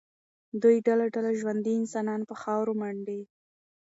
دوی ډله ډله ژوندي انسانان په خاورو منډي.